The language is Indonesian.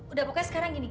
udah pokoknya sekarang gini